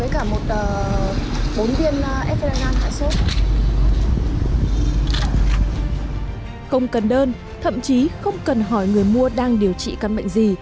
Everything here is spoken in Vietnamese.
không cần đơn thậm chí không cần hỏi người mua đang điều trị căn bệnh gì